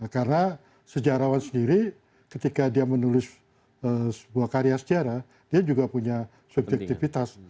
karena sejarawan sendiri ketika dia menulis sebuah karya sejarah dia juga punya subjektivitas